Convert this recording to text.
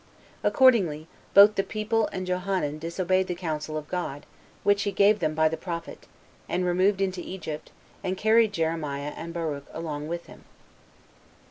Accordingly, both the people and Johanan disobeyed the counsel of God, which he gave them by the prophet, and removed into Egypt, and carried Jeremiah and Barnch along with him.